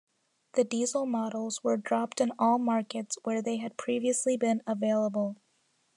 The diesel models were dropped in all markets where they had previously been available.